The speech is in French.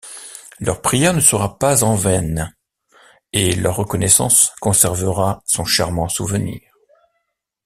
Leur prière ne sera pas en vaine, et leur reconnaissance conservera sont charmant souvenir.